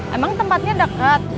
emang tempatnya dekat